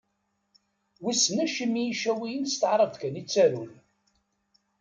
Wissen acimi Icawiyen s taɛrabt kan i ttarun.